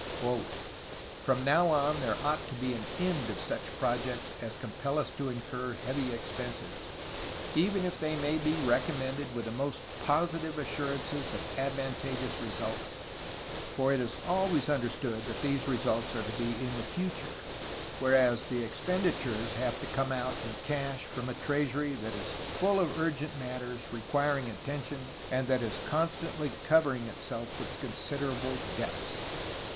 "From now on there ought ... to be [an end] of such projects as compel us to incur heavy expenses, even if they may be recom mended with the most positive assurances of advantageous results, for it is always understood that these results are to be in the future, whereas the expenditures have to come out in cash from a treasury that is full of urgent matters requiring attention and that is con stantly covering itself with considerable debts.